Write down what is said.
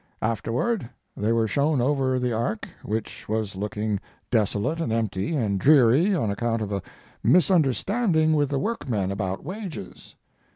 Afterward they were shown over the ark, which was looking desolate and empty and dreary on account of a misunderstanding with the workmen about wages.